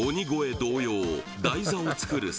同様